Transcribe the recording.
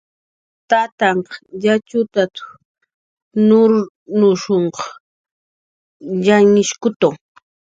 "Tatanhq yatxutat"" nurnushunht"" yanhishkutu. "